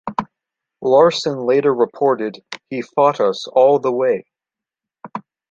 Larson later reported, He fought us all the way ...